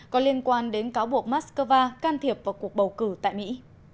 có liên quan đến cáo buộc moscow can thiệp vào cuộc bầu cử tại mỹ